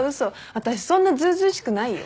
私そんなずうずうしくないよ。